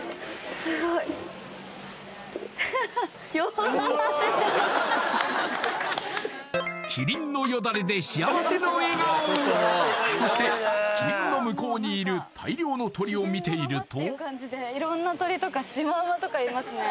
すごいキリンのヨダレで幸せの笑顔そしてキリンの向こうにいる大量の鳥を見ていると色んな鳥とかシマウマとかいますね